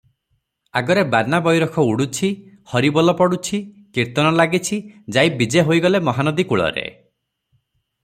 ଆଗରେ ବାନା ବୈରଖ ଉଡୁଛି, ହରିବୋଲ ପଡ଼ୁଛି, କୀର୍ତ୍ତନ ଲାଗିଛି, ଯାଇ ବିଜେ ହୋଇଗଲେ ମହାନଦୀ କୂଳରେ ।